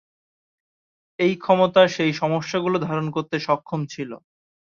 এই ক্ষমতা সেই সমস্যাগুলো ধারণ করতে সক্ষম ছিল।